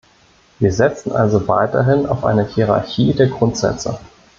Wir setzen also weiterhin auf eine Hierarchie der Grundsätze.